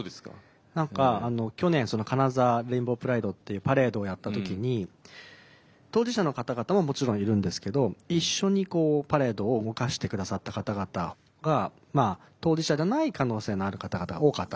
何か去年金沢レインボープライドってパレードをやった時に当事者の方々ももちろんいるんですけど一緒にパレードを動かして下さった方々が当事者じゃない可能性のある方々が多かったんですよね。